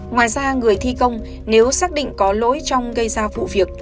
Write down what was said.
ngoài ra người thi công nếu xác định có lỗi trong gây ra vụ việc